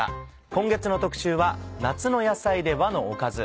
今月の特集は「夏の野菜で和のおかず」。